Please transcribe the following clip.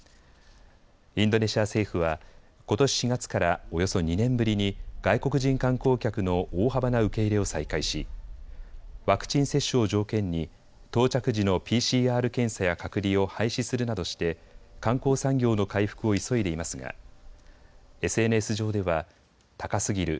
インドネシア政府はことし４月からおよそ２年ぶりに外国人観光客の大幅な受け入れを再開しワクチン接種を条件に到着時のＰＣＲ検査や隔離を廃止するなどして観光産業の回復を急いでいますがＳＮＳ上では高すぎる。